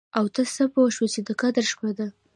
او ته څه پوه يې چې د قدر شپه څه ده؟